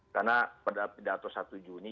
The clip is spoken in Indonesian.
karena pada pidato satu juni